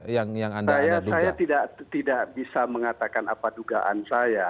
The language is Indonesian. saya tidak bisa mengatakan apa dugaan saya